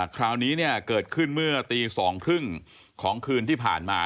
คราวนี้เนี่ยเกิดขึ้นเมื่อตี๒๓๐ของคืนที่ผ่านมา